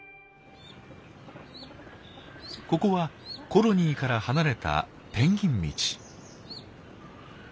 ここはコロニーから離れた「ペンギン道」。